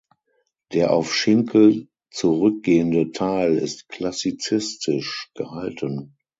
Der auf Schinkel zurückgehende Teil ist klassizistisch gehalten.